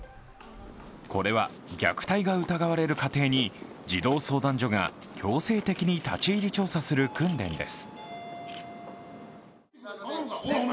これは虐待が疑われる家庭に児童相談所が強制的に立ち入り調査する訓練です。